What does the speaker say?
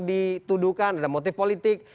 dituduhkan ada motif politik